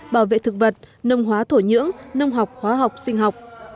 bảo vệ thực vật nông hóa thổ nhưỡng nông học hóa học sinh học